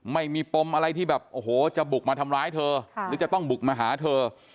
ปมอะไรที่แบบโอ้โหจะบุกมาทำร้ายเธอหรือจะต้องบุกมาหาเธอ